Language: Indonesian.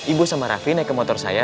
ibu sama raffi naik ke motor saya